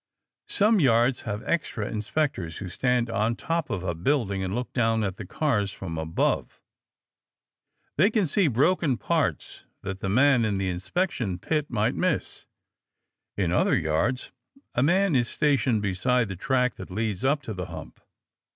Some yards have extra inspectors who stand on top of a building and look down at the cars from above. They can see broken parts that the man in the inspection pit might miss. In other yards, a man is stationed beside the track that leads up to the hump.